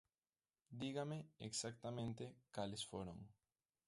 Dígame exactamente cales foron.